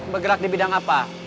bergerak di bidang apa